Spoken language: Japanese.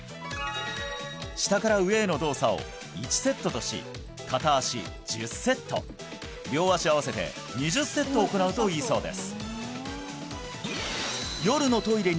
下から上への動作を１セットとし片足１０セット両足合わせて２０セット行うといいそうです